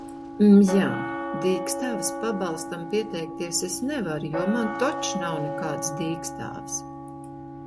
Mjā, dīkstāves pabalstam pieteikties es nevaru, jo man toč nav nekādas dīkstāves!